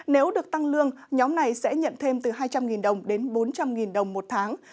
nếu được tăng lương nhóm này sẽ nhận thêm từ hai trăm linh đồng đến bốn trăm linh đồng một tháng